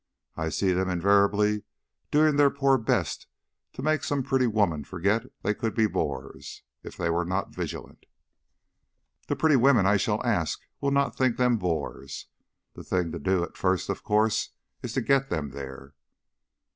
I see them invariably doing their poor best to make some pretty woman forget they could be bores if they were not vigilant." "The pretty women I shall ask will not think them bores. The thing to do at first, of course, is to get them there."